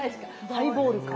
ハイボールか。